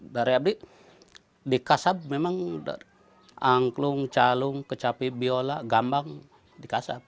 dari abadi dikasab memang angklung calung kecapi biola gambang dikasab